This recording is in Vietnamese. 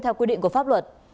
theo quy định của pháp luật